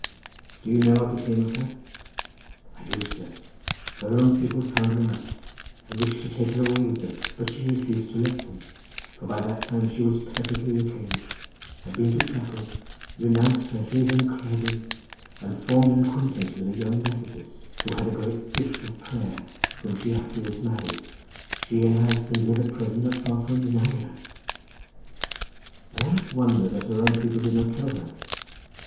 "Do you know what became of her?" "I do, sir; her own people found her out, and wished to take her away with them, but she refused to let them, for by that time she was perfectly reclaimed, had been to chapel, renounced her heathen crefydd, and formed an acquaintance with a young Methodist who had a great gift of prayer, whom she afterwards married—she and her husband live at present not far from Mineira." "I almost wonder that her own people did not kill her."